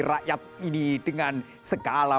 rakyat ini dengan segala